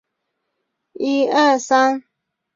其形式定义并不和此直观完全吻合。